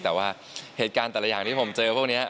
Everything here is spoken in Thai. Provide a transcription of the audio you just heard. แต่ว่าเหตุการณ์แต่ละอย่างที่ผมเจอพวกนี้